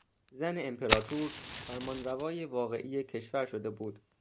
زن امپراطور فرمانروای واقعی کشور شده بود.